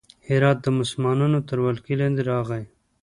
هرات د مسلمانانو تر ولکې لاندې راغی.